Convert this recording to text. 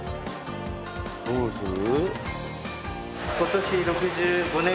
どうする？